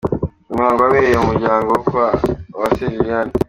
Uyu muhango wabereye mu muryango wo kwa Uwase Liliane.